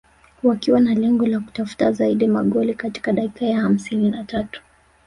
wakiwa na lengo la kutafuta zaidi magoli katika dakika ya hamsini na tatu